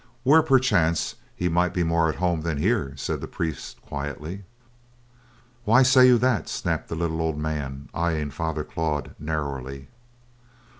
"Where, perchance, he might be more at home than here," said the priest quietly. "Why say you that?" snapped the little old man, eyeing Father Claude narrowly.